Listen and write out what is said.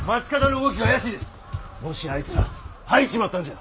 もしやあいつら吐いちまったんじゃ？